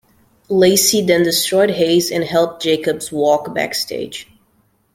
Lacey then destroyed Haze and helped Jacobs walk backstage.